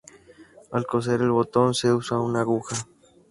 Al coser el botón se usa una aguja